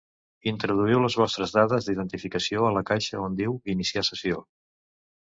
Introduïu les vostres dades d'identificació a la caixa on diu Iniciar sessió.